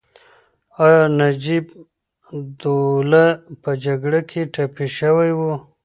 ایا نجیب الدوله په جګړه کې ټپي شوی و؟